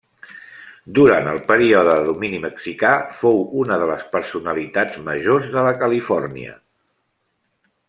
Durant el període de domini mexicà, fou una de les personalitats majors de la Califòrnia.